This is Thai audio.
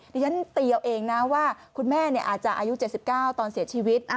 แล้วฉันเตี๋ยวเองนะว่าคุณแม่นี่อาจจะอายุ๗๙ตอนเสียชีวิต